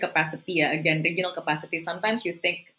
kapasitas regional kadang kadang kita berpikir